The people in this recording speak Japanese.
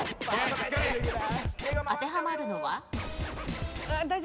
当てはまるのは？